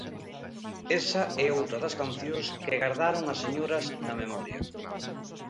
Esa é outra das cancións que gardaron as señoras na memoria.